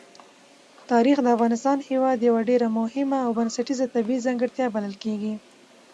تاریخ د افغانستان هېواد یوه ډېره مهمه او بنسټیزه طبیعي ځانګړتیا بلل کېږي.